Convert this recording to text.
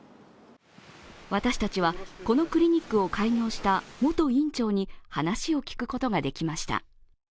私たちは、このクリニックを開業した元院長に話を聞くことができました。